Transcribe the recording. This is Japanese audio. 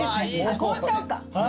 こうしちゃおうか。